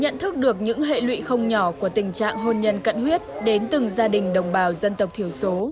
nhận thức được những hệ lụy không nhỏ của tình trạng hôn nhân cận huyết đến từng gia đình đồng bào dân tộc thiểu số